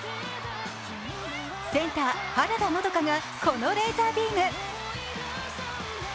センター・原田のどかがこのレーザービーム。